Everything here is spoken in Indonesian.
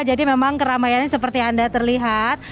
jadi memang keramaiannya seperti anda terlihat